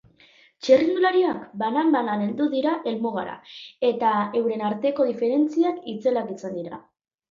Txirrindulariak banan-banan heldu dira helmugara eta euren arteko diferentziak itzelak izan dira.